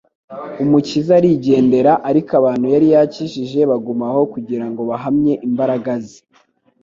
Umukiza arigendera, ariko abantu yari yakijije baguma aho kugira ngo bahamye imbaraga ze.